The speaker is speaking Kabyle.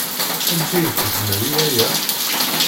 Amek ay tezmer i waya?